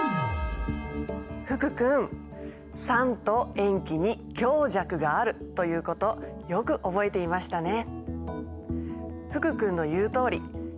福君酸と塩基に強弱があるということよく覚えていましたね。